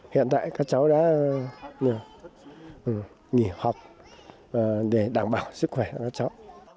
hiện tại các cháu đã nghỉ học để đảm bảo sức khỏe cho các cháu